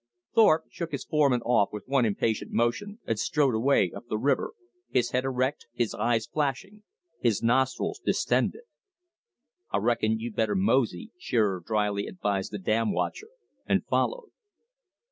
Thorpe shook his foreman off with one impatient motion, and strode away up the river, his head erect, his eyes flashing, his nostrils distended. "I reckon you'd better mosey," Shearer dryly advised the dam watcher; and followed.